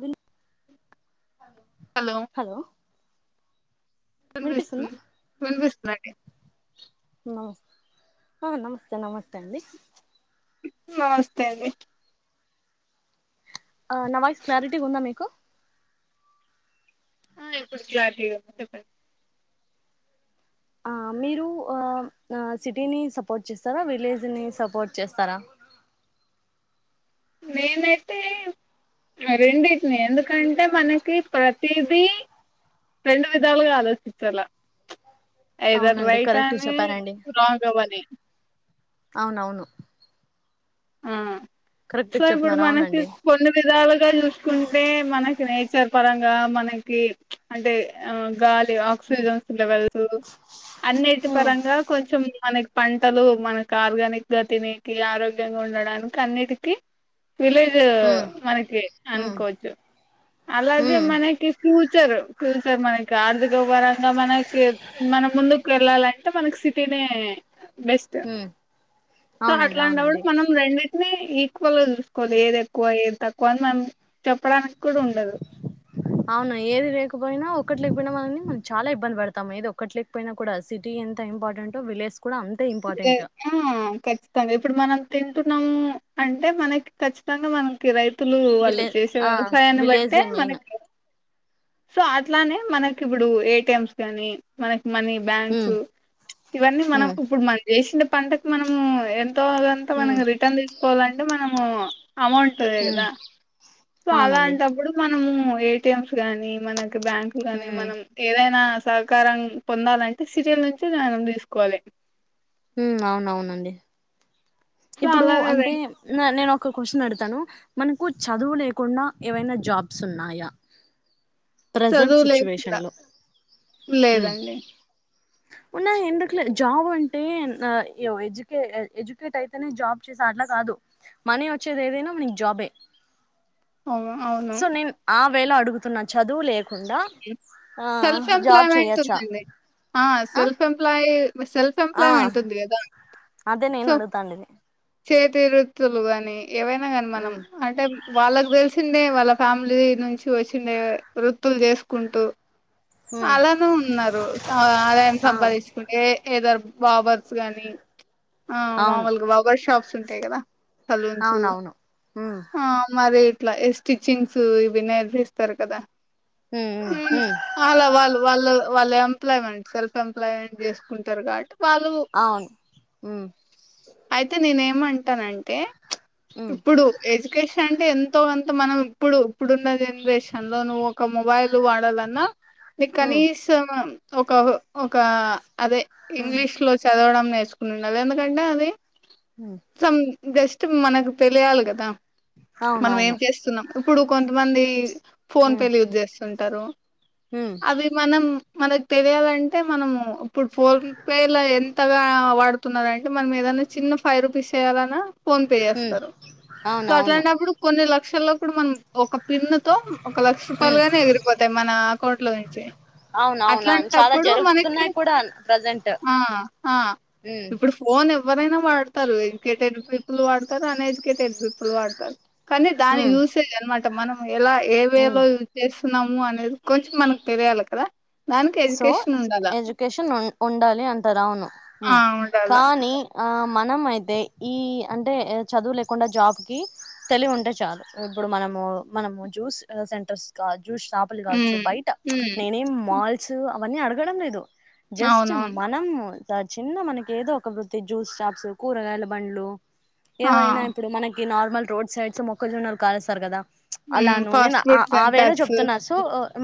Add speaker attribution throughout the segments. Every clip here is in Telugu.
Speaker 1: బల్ హలో
Speaker 2: వినిపిస్తుంది వినిపిస్ అలాగే
Speaker 1: నమస్తే ఆ నమస్తే నమస్తే అండి
Speaker 2: నమస్తే అండి
Speaker 1: ఆ న వాయిస్ క్లారిటీ ఉందా మీకు
Speaker 2: ఆ ఇప్పుడు క్లారిటీ ఉంది చెప్పండి
Speaker 1: ఆ మీరు ఆ సిటీని సపోర్ట్ చేస్తారా విలేజ్ ని సపోర్ట్ చేస్తారా
Speaker 2: నేనైతే రెండింటిని ఎందుకు కంటే మనకి ప్ర టీవీ రెండు విధాలుగా ఆలోచించాల ఐదర్
Speaker 1: అవునండి
Speaker 2: రైట్
Speaker 1: కరెక్ట్
Speaker 2: అని
Speaker 1: చెప్పారండి
Speaker 2: రాంగ్ అవ్వాలి
Speaker 1: అవునవును
Speaker 2: హ్మ్ సో
Speaker 1: కరెక్ట్
Speaker 2: ఇప్పుడు
Speaker 1: చెప్పినారు
Speaker 2: మనకి
Speaker 1: అవునండి
Speaker 2: కొన్ని విధాలుగా చూసుకుంటే మన నేచర్ పరంగా మనకి అంటే ఆ గాలి ఆక్సిజన్స్ లెవెల్స్ అన్నిటి
Speaker 1: ఉమ్
Speaker 2: పరంగా కొంచం మనకి పంటలు మనకి ఆర్గానిక్ గా తినికి ఆరో ఆరోగ్యం గా ఉండడానికి అన్నిటికీ విలేజ్ మనకి
Speaker 1: ఉమ్
Speaker 2: అనుకోవచ్చు అలాగే
Speaker 1: ఉమ్
Speaker 2: మనకి ఫ్యూచర్ ఫ్యూ సర్ మనకి ఆర్థిక పరంగా మనకి మన ముందు కెళ్ళాలంటే మనకి సిటీనే బెస్ట్
Speaker 1: ఉమ్
Speaker 2: సో
Speaker 1: అవునండి
Speaker 2: అట్లాంటప్పుడు
Speaker 1: అవునండి
Speaker 2: [unintelligible] ట్నేయి కొన్ కొనేది ఎక్కువాయే తక్కువన్ మ్యమ్
Speaker 1: అవును ఏది లేకపోయినావ్ ఒక్కట్లేకపోయినా మని మనం చాలా ఇబ్బంది పడతాం ఏదో ఒక్కటి లేకపోయినా కూడా సిటీ ఎంత ఇంపార్టెంటో విలేజ్ కూడా అంతే
Speaker 2: య్
Speaker 1: ఇంపార్టెంట్
Speaker 2: ఆ ఖచ్చితంగా ఇప్పుడు మనం తింటున్నాం అంటే మనకి ఖచ్చితంగా మనం కే రైతులు వాళ్ళు
Speaker 1: విలే
Speaker 2: చేసే
Speaker 1: ఆ
Speaker 2: వ్యవసాయాన్ని బట్టే
Speaker 1: విలేజే మెయిన్
Speaker 2: మనకి సో అట్లానే మనకి ఇప్పుడు ఏటిఎమ్స్ గాని మన మనీ బ్యాంక్స్
Speaker 1: ఉమ్
Speaker 2: ఇవన్నీ మనం
Speaker 1: ఉమ్
Speaker 2: ఇప్పుడు మంచి చేేసి పంటకు మనము ఎంత రోజంతా
Speaker 1: ఉమ్
Speaker 2: మనకి రిటర్న్ తీసుకోవాలంటే మనం ఆ అమౌంట్
Speaker 1: ఉమ్
Speaker 2: కదా సో
Speaker 1: అవునండి
Speaker 2: అలాంటప్పుడు మనము ఏటిఎమ్స్ గాని మన బ్యాంకులు గాని
Speaker 1: ఉమ్
Speaker 2: మనం ఏదైనా సహకారం పొందాలంటే సిటీల్ నుంచి దానం తీసుకోవాలి
Speaker 1: ఉ అవునవునండి
Speaker 2: సో
Speaker 1: ఇప్పుడు
Speaker 2: అలాగ
Speaker 1: అంటే నేను ఒక క్వశను అడుగుతాను మనకు చదువు లేకుండా ఏవైనా జాబ్స్ ఉన్నాయా ప్రజెంట్ సిచ్యువేషన్
Speaker 2: చదువులేకుండా
Speaker 1: లో
Speaker 2: లేదండి
Speaker 1: ఉన్నా ఎందుకులే జాబ్ అంటే ఎజుకే ఎజుకేట్ అయితే జాబ్ చేసా అట్లా కాదు మనీ వచ్చేది ఏదైనా మనకి జాబే
Speaker 2: అవు అవును
Speaker 1: సో నేను ఆ వేళ అడుగుతు న్న చదువు లే
Speaker 2: సెల్ఫ్ ఎంప్లాయ్మెంట్
Speaker 1: చేయొచ్చా
Speaker 2: ఉందండి ఆ సెల్ఫ్ ఎంప్లాయీ సెల్ఫ్
Speaker 1: ఆ
Speaker 2: ఎంప్లాయ్మెంట్ ఉంది కదా
Speaker 1: అదే నేను
Speaker 2: సో
Speaker 1: అడుగుతాండేది
Speaker 2: చేతి వృత్తులు కాని ఏవైనా కానీ మనం
Speaker 1: ఉమ్
Speaker 2: అంటే వాళ్ళకు తెలిసిందే వాళ్ళ ఫ్యామిలీ నుంచి వచ్చిండే వృత్తులు చేసుకుంటూ
Speaker 1: ఉమ్
Speaker 2: అలానే ఉన్నారు ఆదాయం
Speaker 1: ఆ
Speaker 2: సంపాదించుకుంటే ఏ ఇ దరు బాబర్స్ గానీ ఆ
Speaker 1: అవును
Speaker 2: మాముూలుగా వగర్ షాప్స్ ఉంటాయి కదా సె లూన్స్
Speaker 1: అవునవును ఉమ్
Speaker 2: ఆ మరి ఇట్లా ఏ స్టిచ్చింగ్స్ ఇవి నేర్పిస్తారు కదా
Speaker 1: హు హు
Speaker 2: అలా వాళ్ళు వాళ్ళు వాళ్ళ ఎంప్లాయ్మెంట్ సెల్ఫ్ ఎంప్లాయ్మెంట్ చేసుకుంటారు కాట్టి వాళ్ళు
Speaker 1: అవును ఉమ్
Speaker 2: అయితే నేనేమంట ఉంటానంటే
Speaker 1: ఉమ్
Speaker 2: ఇప్పుడు ఎడ్యుకేషన్ అే ఎంతో అంత మనం ఇప్పుడు ఇప్పుడున్నద జనరేషన్ లో నువ్వు ఒక మొబైల్ వాడాలన్నా మీ
Speaker 1: ఉమ్
Speaker 2: కనీస ఒక ఒక అదే
Speaker 1: ఉమ్
Speaker 2: ఇంగ్లీష్ లో చదవడం నేర్చ చూసుకున్నది ఎందుకంటే అది
Speaker 1: ఉమ్
Speaker 2: సంస్ బె మనకు తెలియాలి కదా మనం ఏం
Speaker 1: అవునవును
Speaker 2: చేస్తున్నాం ఇప్పుడు కొంతమంది ఫోన్
Speaker 1: ఉమ్
Speaker 2: పే యూజ్ చేస్తు ంటారు
Speaker 1: ఉమ్
Speaker 2: అది మనం మన తెలియాలంటే మనము ఇప్పుడు ఫోన్ పే లో ఎంతగా వాడుతున్నంటే మనం ఏదైనా చిన్న ఫైవ్ రూపీస్ చెయాలన్నా ఫోన్ పే
Speaker 1: ఉమ్
Speaker 2: చేస్తారు సో
Speaker 1: అవునవును
Speaker 2: అట్లాంటప్పుడు కొన్ని లక్ష క్ష లో కూడా మనం ఒక పిన్నుతో ఒక లక్ష
Speaker 1: ఉమ్
Speaker 2: రూపాయలుగానే ఎగిరిపోతాయి మన అ ఆ
Speaker 1: అవునవునవును చాలా
Speaker 2: అట్లాంటపుడు మనకి
Speaker 1: జరుగుతున్నాయి కూడా ప్రజెంట్
Speaker 2: హా హా
Speaker 1: ఉమ్
Speaker 2: ఇప్పుడు ఫోన్ ఎవర్ కైనా వాడతారు ఎడ్యుకేటెడ్ పీపుల్ వాడతారు అన్ ఎడ్యుకేటెడ్ పీపుల్ వాడతారు కానీ దాని
Speaker 1: ఉమ్
Speaker 2: చూసే అన్మా మనం ఇలా
Speaker 1: ఉమ్
Speaker 2: ఏవేలో యూజ్ చేసి న్నాము అనేది కొంచెం మనకు తెలియాలి కదా దానికి
Speaker 1: సో
Speaker 2: ఎడ్యుకేషన్ ఉండాలా
Speaker 1: ఎడ్యుకేషన్ ఉండాలి అంటరు అవును హు
Speaker 2: ఆ ఉండాల
Speaker 1: కానీ ఆ మనం అయితే ఈ అంటే చదువు లేకుండా జాబ్ కి తెలివి ఉంటే చాలు ఇప్పుడు మనము మనము జ్యూస్ సెంటర్స్ ూ షాపులు కావచ్చు
Speaker 2: హ్మ్
Speaker 1: బయట
Speaker 2: హ్మ్
Speaker 1: నేనేం మాల్ అవన్నీ అడుగడం లేదు జస్ట్
Speaker 2: అవునవును.
Speaker 1: మనం చిన్న మనకి ఏదో ఒక ప్రతి జ్యూస్ చాప్స్ కూరగాయల బండ్లు
Speaker 2: ఆ!
Speaker 1: ఏవైనా ఇప్పుడు మనకి ఈ నార్మల్ రోడ్ సైడ్స్ లో మొక్కజొన్నలు కాలుస్తారు కదా
Speaker 2: హ్మ్.
Speaker 1: అలాను నేను
Speaker 2: ఫాస్ట్
Speaker 1: ఆ
Speaker 2: ఫుడ్
Speaker 1: ఆ వేలో
Speaker 2: సెంటర్స్
Speaker 1: చెప్తున్నా సో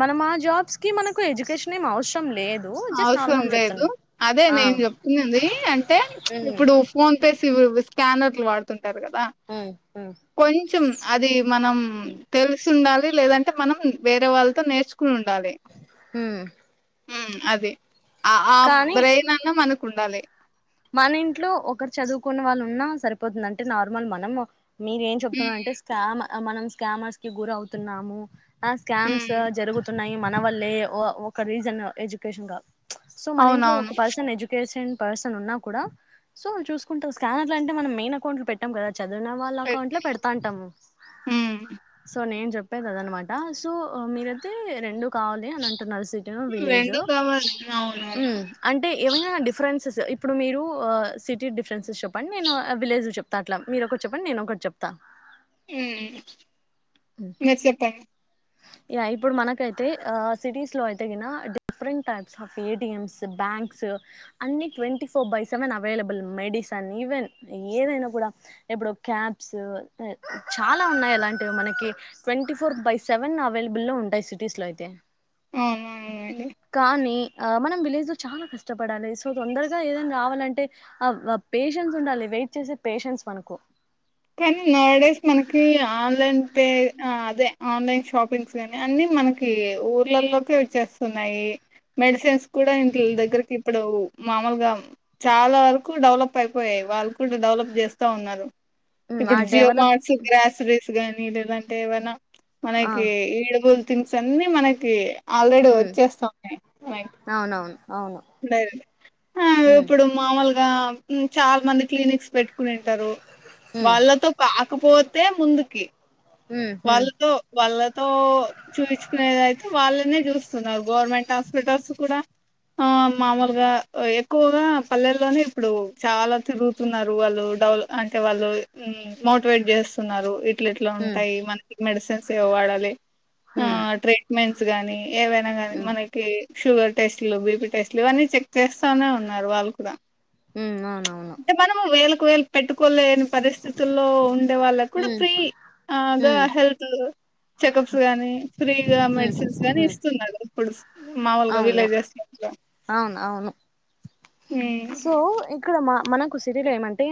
Speaker 1: మనం మా జాబ్స్ కి మనకు ఎడ్యుకేషన్ అవసరం లేదు జస్ట్
Speaker 2: అవసరం
Speaker 1: నార్మల్
Speaker 2: లేదు
Speaker 1: చెప్తున్నా
Speaker 2: అదే
Speaker 1: ఆ
Speaker 2: నేను చెప్తున్నది అంటే
Speaker 1: ఉమ్
Speaker 2: ఇప్పుడు ఫోన్ పేసిపి స్కానర్లు వాడుతుంది కద కదా
Speaker 1: ఉమ్
Speaker 2: కొంచం అది మనం
Speaker 1: ఉమ్
Speaker 2: తెలిసి ఉండాలి లేదంటే మనం వేరే వాళ్ళతో నేర్చుకుని ఉన్ డాలే
Speaker 1: ఉమ్
Speaker 2: ఉ మ్ అద అదే ఆ ఆ
Speaker 1: కానీ
Speaker 2: బ్రెయిన్ అన్న మనకు కుండాలి
Speaker 1: మన ఇంట్లో ఒకరు చదువుకున్న వాళ్ళు ఉన్నా సరిపోతుంది అంటే నార్మల్ మనం మీరు ఏం చెప్తున్న
Speaker 2: హ్మ్.
Speaker 1: అంటే స్కామ మనం స్కామర్స్ కి గుర అవుతున్నాము ఆ స్కామ్స్
Speaker 2: హ్మ్.
Speaker 1: జరుగుతున్నాయి వల్లే ఒ ఒక రీజన్ ఎడ్యుకేషన్ సో మన ఇంట్లో ఒక
Speaker 2: అవునవును.
Speaker 1: పర్సన్ ఎడ్యుకేషన్ పర్సన్ ఉన్నా కూడా సో చూసుకుంటా స్కానర్ అంటే మనం మెయిన్ అకౌంట్ లో పెట్టాం కదా చదివిన వాళ్ళ
Speaker 2: పెట్
Speaker 1: అకౌంట్ లో పెడతాంటాము
Speaker 2: హ్మ్.
Speaker 1: సో నేను చెప్ చెప్పే కద అనమాట సో మీరయితే రెండు కావాలి అని అంటున్నారు సిటీ విలేజ్ ఉ
Speaker 2: కావాలి. అవునవును.
Speaker 1: అంటే ఏమైన డిఫరెన్సెస్ స ఇ ఇప్పుడు మీరు సిటీ డిఫరెన్సెస్ చెప్పు ప్ప నేను విలేజ్ చెప్పన అట్లా మీరు ఒకరు చెప్పండి నేను ఒకటి చెప్త
Speaker 2: నువ్ చెప్ మే
Speaker 1: ఇప్పుడు మనకైతే సిటీస్ లో అయితే కిన different types of ATMs banks, అన్ని twenty four by seven available, medicine, even ఏదైనా కూడా ఇప్పుడు క్యాబ్స్. చాలా ఉన్నాయి అలాంటివి మనకి ట్వంటీ ఫోర్ బైస్ సెవెన్ అవైలబుల్లో ఉంటాయి సిటీస్ లో అయితే
Speaker 2: అవునవునండి.
Speaker 1: కానీ ఆ మనం విలేజ్ చాలా కష్ట కష్టపడాలి సో తొందరగా ఏదన్నా రావాలంటే ఆ పేషెన్స్ ఉండాలి వెయిట్ చేసే పేషెన్స్ మనకు
Speaker 2: కనీ నోడస్ మన ఈ ఆ అంటే ఆ అదే ఆన్లైన్ షాపింగ్స్ గానీ అన్ని మనకి ఊర్లలోకే వచ్చేస్తున్నాయి మెడిసెన్స్ కూడా ఇంట్లీ దగ్గరకి ఇప్పుడు మామూలుగా చాలా వరకు డెవలప్ అయిపోయాయి వాళ్ళు కూడా డెవలప్ చేస్తా ఉన్నారు
Speaker 1: ఉమ్, ఆ
Speaker 2: ఇప్పుడు జియో
Speaker 1: డెవలప్
Speaker 2: మార్ట్స్ గ్రసేరీస్ గని దంటేవనా
Speaker 1: ఆ
Speaker 2: మనకి ఏబోద్ థింగ్స్ అన్ని మనకి ఆల్రెడీ
Speaker 1: ఉమ్
Speaker 2: వచ్చేస్తా ఉన్నాయి మైక్
Speaker 1: అవునవును అవును
Speaker 2: డర్ ఆ
Speaker 1: ఉమ్
Speaker 2: ఇప్పుడు మామూలుగా చాలా మంది క్లినిక్స్ పెట్టుకునింటారు
Speaker 1: ఉమ్
Speaker 2: వాళ్ళతో కాకపోతే ముందుకి
Speaker 1: ఉమ్
Speaker 2: వాళ్ళతో వాళ్ళతో చూయిించుకునేదయితే వాళ్ళనే చూస్తున్నారు గవర్నమెంట్ హాస్పిటల్స్ కూడా ఆ మామూలుగా ఎక్కువగా పల్లెల్లోనే ఇప్పుడు చాలా తిరుగుతున్నారు వాళ్ళు డెవ అంటే వాళ్ళు మోటివేట్ చేస్తున్నారు ఇట్లట్లా
Speaker 1: ఉమ్
Speaker 2: ఉంటాయి మనకి మెడిసిన్స్ ఏవ వాడాలి ఆ
Speaker 1: ఉమ్
Speaker 2: ట్రీట్మెంట్ గాని ఏవైనా కానీ
Speaker 1: ఉమ్ ఉమ్
Speaker 2: మనకి శుగర్ టెస్ట్ లు బిపి టెస్టులు అన్ని చె చేస్తానే ఉన్నారు వాళ్ళు కూడా
Speaker 1: ఉమ్ అవునవును
Speaker 2: అంటే మనము వేలకు వేలు పెట్టుకోల్లేనీ పరిస్తి పరిథితుల్లో ఉండే వాళ్ళకు కూడా
Speaker 1: ఉమ్
Speaker 2: ఫ్రీ గా
Speaker 1: ఉమ్
Speaker 2: హెల్త్లు చెకప్స్ గానీ ఫ్రీగా
Speaker 1: ఉమ్
Speaker 2: మెడిసిన్స్ గానీ
Speaker 1: ఉమ్
Speaker 2: ఇస్తున్నారు పులుస్ మావూలుగా
Speaker 1: అవును
Speaker 2: విలేజెస్ చేస్త
Speaker 1: అవును అవును సో
Speaker 2: ఉమ్
Speaker 1: ఇక్కడ మనకు సరయలు ఏమంటే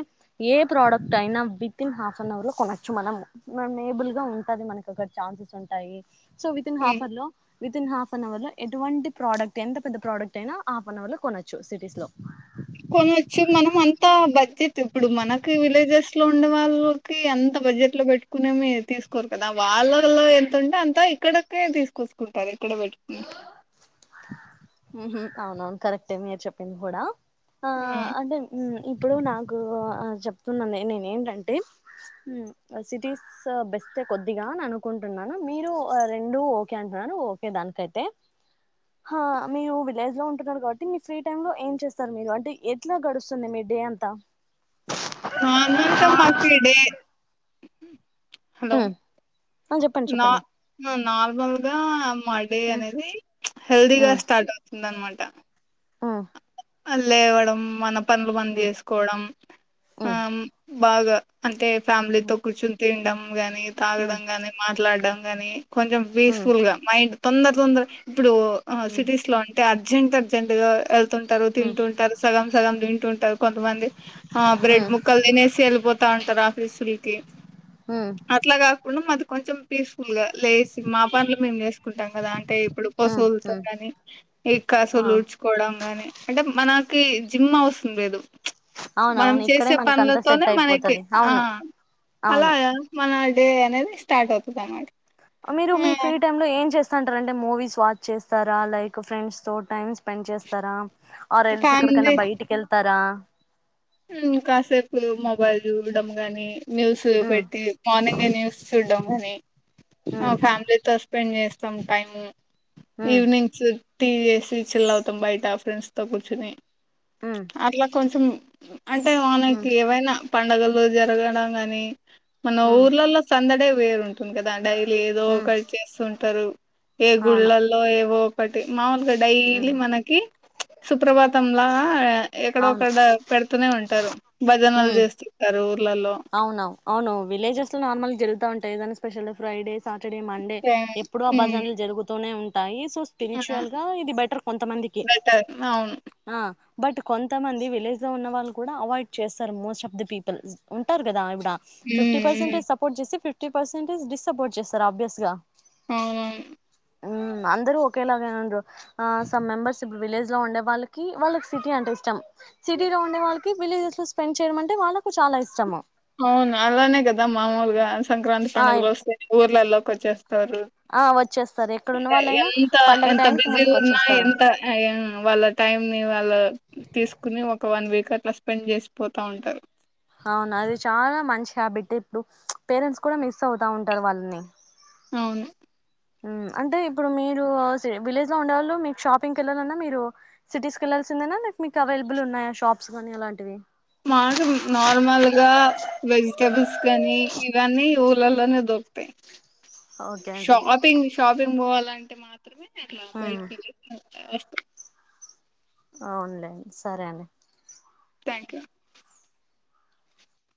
Speaker 1: ఏ ప్రోడక్ట్ అయినా విత్ఇన్ హాఫ్ అన్ అవర్ లో కొనచ్చు మనం మేబుల్ గా ఉంటుంది మనకు ఒకడ ఛాన్సెస్ ఉంటాయి సో వితిన్ హాఫ్ అవర్ లో వితి ఇన్ హాఫ్ అన్వ లో ఎటువంటి ప్రోడక్ట్ ఎంత పెద్ద ప్రోడక్ట్ అయినా హాఫ్ అన్ అవర్ లో కొనొచ్చు సిటీస్ లో
Speaker 2: కొనవచ్చు మనం అంత బడ్జెట్ ఇప్పుడు మనకి విలేజెస్ లో ఉండే వాళ్ళకి అంత బడ్జెట్ లో పెట్టుకునేమ తీసుకోరు కదా వాళ్ళలో ఎంతంటే అంత ఇక్కడకే తీసుకొసుకుంటారు ఇక్కడ పెట్టుకు
Speaker 1: హ అవునను కరెక్టే మీరు చెప్పింది కూడా ఆ అంటే ఇప్పుడు నాకు చెప్తున్న నేను ఏంటంటే సిటీస్ బెస్టే కొద్దిగా అని అనుకుంటున్నాను మీరు రెండు ఓకే అంటున్నాను ఓకే దానికైతే మీరు విలేజ్ లో ఉంటున్నారు కాబట్టి మీ ఫ్రీ టై లో ఏం చేస్తారు మీరు అంటే ఎట్లా గడుస్తుంది మీ డే అంతా
Speaker 2: నా అన్న చెమ్మాకి ఇడే హలో
Speaker 1: ఉమ్ ఆ చెప్పండి
Speaker 2: నా
Speaker 1: చెప్పండి
Speaker 2: నాలుగు బల్గా మా డే
Speaker 1: ఉమ్
Speaker 2: అనేది హెల్దీగా స్టార్ట్ అవుతుంది అనమాట
Speaker 1: ఆ
Speaker 2: అ లేవ్వడం మన పనులు బంద్ చేసుకోవడం ఆ
Speaker 1: ఉమ్
Speaker 2: బాగా అంటే
Speaker 1: ఉమ్
Speaker 2: ఫ్యామిలీతో కూు తండం గాని
Speaker 1: ఉమ్
Speaker 2: తాగడం కాని మా మాట్లాడడంం గాని కొంచెం
Speaker 1: ఉమ్ ఉమ్
Speaker 2: పీస్ఫుల్గా మైండ్ తొందర తొందర ఇప్పుడు సిటీస్ లోంట అర్జెంట్ అర్జెంట్ ఇ ఎళ్తుంట
Speaker 1: ఉమ్
Speaker 2: తింటుంటారు సగం సగం తింటుంటారు కొంతమంది ఆ బ్రెడ్ ముక్కలు తినేసి వెళ్ళిపోతా ఉంటారు ఆఫీసు తే
Speaker 1: ఉమ్
Speaker 2: అట్లా కాకుండా మదకు కొంచెం పీస్ లుగా లేసి మా పనులు మేము చేసుకుంటాం కదా అంటే ఇప్పుడు
Speaker 1: ఉమ్
Speaker 2: పశువులుతో
Speaker 1: ఉమ్
Speaker 2: కానీ ఈ
Speaker 1: ఆ
Speaker 2: కాసలు ఉడ్చుకోవడం కానీ అంటే మనకి జిమ్ అవస్తుంది లేదు మనం
Speaker 1: అవునవును ఇక్కడే
Speaker 2: చేసే
Speaker 1: మనకి అంతా
Speaker 2: పనులతోనే
Speaker 1: సెట్
Speaker 2: మనకి
Speaker 1: అయిపోతది
Speaker 2: ఆ
Speaker 1: అవును
Speaker 2: అలా
Speaker 1: అవును
Speaker 2: మన డే అనేది స్టార్ట్ అవుతుంది అన్నమాట
Speaker 1: మిరు మీ ఫ్రీ
Speaker 2: ఆ
Speaker 1: టైం లో ఏం చేస్తా అంటారంటే మూవీస్ వాచ్ చేస్తారా లైక్ ఫ్రెండ్స్ తో టైమ్ స్పెండ్ చేస్తరా ఆర్ ఎల్స్ ఎక్కడికైనా బయటికెళ్తరా
Speaker 2: హుమ్ కాసేపు మొబైల్ చూడటం కాని న్యూసు
Speaker 1: ఉమ్
Speaker 2: పెట్టి మార్నింగ్ న్యూస్సుడ్డంగాని ఆ
Speaker 1: ఉమ్
Speaker 2: ఫ్యామిలితో స్పెండ్ చేస్ సమ్ టైం
Speaker 1: ఉమ్
Speaker 2: ఈవినింగ్స్ టీ చేసి చిల్ అవుతాం బయట ఫ్రెండ్స్ తో కూర్చుని
Speaker 1: ఉమ్
Speaker 2: అట్ల కొంచమ్ అంటే
Speaker 1: ఉమ్
Speaker 2: మనకేవైనా పండగలో జరగడం గాని మన
Speaker 1: ఉమ్
Speaker 2: ఊర్లల్లో సందడె వేరు కదా డైలీ ఏదో
Speaker 1: ఉమ్
Speaker 2: ఒకటి చేస్తుంటారు ఏ
Speaker 1: అవును
Speaker 2: గుళ్ళల్లో ఏవో పటి మామూల్గా
Speaker 1: ఉమ్
Speaker 2: డైలీ మనకి సుప్రభాత్ తంలా
Speaker 1: అవును
Speaker 2: ఎక్కడొక్కాడ అంటారు భజనలు
Speaker 1: ఉమ్
Speaker 2: చేస్తుంటరు లల్లో
Speaker 1: అవునవు అవును విలేజెస్ లో నార్మల్ జరుగుతా ఉంటాయి ఏదైనా స్పెషల్డే ఫ్రైడేస్ యం మన్డే ఎప్పుడో భజన్లు జరుగుతూనే ఉంటా టై సోస్ స్పీర్చ్యువల్ గా ఇది బెటర్ కొంతమందికి
Speaker 2: బెటర్ అవును
Speaker 1: ఆ బట్ కొంతమంది విలేజ్ లో ఉన్న వాళ్ళు కూడా అవైడ్ చేస్తారు మోస్ట్ ఆఫ్ ది పీపుల్ ఉంటరు కదా ఇప్పుడు
Speaker 2: ఉమ్
Speaker 1: ఫిఫ్టీ పెర్సెంట్ యే
Speaker 2: ఉమ్
Speaker 1: సపోర్ట్ చేస్తే ఫిఫ్టీ ఫిఫ్టీ పెర్సెంటేజ్ డిస్సపోర్ట్ చేస్తారు ఆబ్యాస్గా
Speaker 2: ఆవును
Speaker 1: ఉమ్ అందరూ ఒకేలాగే ఏం ఉండరు ఆ సమ్ మెంబెర్స్ ఇప్పుడు విలేజ్ లో ఉండే వాళ్ళకి వాళ్ళకి సిటీ అంటే ఇష్టం సిటీలో ఉండే వాళ్ళకి విలేజస్ స్పెండ్ చేయడమంటే వాళ్ళకు చాలా ఇష్టం శ్రమ
Speaker 2: అవును అలానే కదా మామూలుగా సంక్రాంతి
Speaker 1: ఆ
Speaker 2: పండుగలు వస్తే ఊర్లల్లోకి వచ్చేస్తారు
Speaker 1: ఆ వచ్చేస్తారు ఎక్కడున్న వాళ్ళైనా
Speaker 2: ఎంత
Speaker 1: పండగ
Speaker 2: ఎంత
Speaker 1: టైంకి
Speaker 2: బిజీ
Speaker 1: ముందుకు
Speaker 2: ఉన్నా
Speaker 1: వచ్చేస్తారు
Speaker 2: ఎంత వాళ్ళ టైమ్ ని వాళ్ళు తీసుకుని ఒక వన్ వీక్ అట్లా స్పెండ్ చేసిపోతా ఉంటారు
Speaker 1: అవునా అది చాలా మంచి హ్యాబిట్ ఇప్పుడు పేరెంట్స్ కూడా మిస్ అవుతా ఉంటారు వాళ్ళని
Speaker 2: అవును
Speaker 1: అంటే ఇప్పుడు మీరు విలేజ్ లో ఉండవాళ్ళు మీకు షాపింగ్కి వెళ్లాలన్నా మీరు సిటీస్ క వెళ్ళాల్సిందేనా మీకు అవైలబుల్ ఉన్నాయా షాప్స్ కానీ అలాంటివి
Speaker 2: మాకు కాని ఇవన్నీ ఊళ్లలోనే దొరుకుతాయి
Speaker 1: ఓకే అండి
Speaker 2: షాపింగ్ షాపింగ్ పోవాలంటే మా లా
Speaker 1: మ్మ్
Speaker 2: బయటికి వెళ్ళి వాస్
Speaker 1: అవునులేండి సరే అండి
Speaker 2: థ్యాంక్ యూ